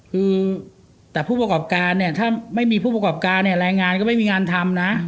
คือแต่ผู้ประกอบการเนี่ยถ้าไม่มีผู้ประกอบการเนี่ยแรงงานก็ไม่มีงานทำนะ